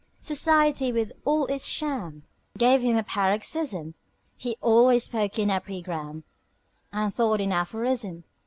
Society, with all its sham, Gave him a paroxysm; He always spoke in epigram And thought in aphorism.